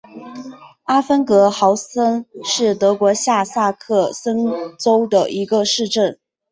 阿芬格豪森是德国下萨克森州的一个市镇。